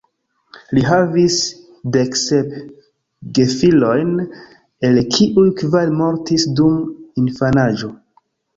Li havis deksep gefilojn, el kiuj kvar mortis dum infanaĝo.